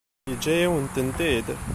Yeǧǧa-yawen-tent-id?